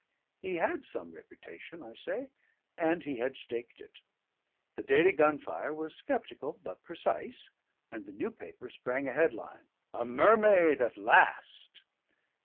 He had some reputation, I say and he had staked it. The Daily Gunfire was sceptical but precise, and the New Paper sprang a headline "A Mermaid at last!"